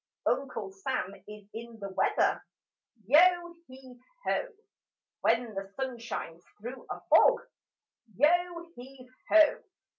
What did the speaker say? Uncle Sam is in the weather: Chorus. Yo heave ho! When the sun shines through a fog, Yo heave ho!